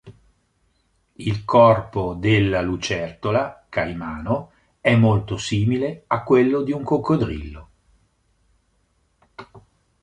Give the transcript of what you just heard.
Il corpo della lucertola caimano è molto simile a quello di un coccodrillo.